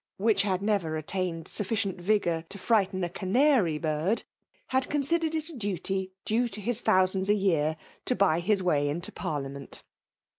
which had never attained sufficient vigour to frightai a canary bird, had considered it a duty dxie to bis thousands a year to buy his way inta pariiament.